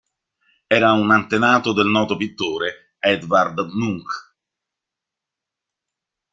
Era un antenato del noto pittore Edvard Munch.